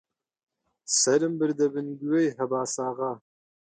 سەرم بردە بن گوێی هەباساغا: